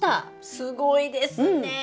すごいですねえ！